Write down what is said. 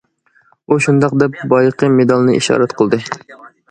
-ئۇ شۇنداق دەپ، بايىقى مېدالىنى ئىشارە قىلدى.